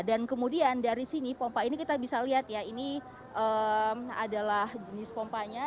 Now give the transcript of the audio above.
dan kemudian dari sini pompa ini kita bisa lihat ya ini adalah jenis pompanya